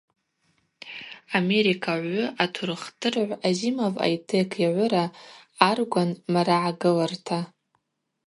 Америка гӏвгӏвы, атурыхдырыгӏв Азимов Айтек йгӏвыра Аргван Марагӏагылырта.